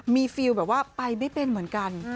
มีฟิลแบบว่าไปไม่เป็นเหมือนกัน